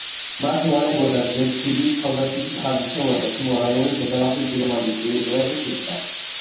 მათ ევალებოდათ ზიგფრიდის თავდაცვითი ხაზის შემოვლა და ქვემო რაინის გადალახვით გერმანიის ტერიტორიაზე შეჭრა.